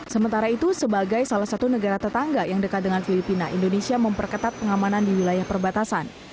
sementara itu sebagai salah satu negara tetangga yang dekat dengan filipina indonesia memperketat pengamanan di wilayah perbatasan